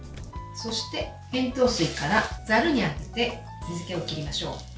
そして、塩糖水からざるにあげて水けを切りましょう。